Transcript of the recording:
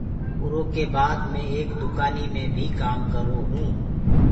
اُرو ڪي بآد مي ايڪ دُڪآنيٚ مي ڀيٚ ڪآم ڪررو هونٚ۔